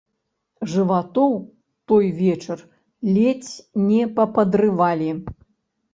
Жыватоў той вечар ледзь не пападрывалі.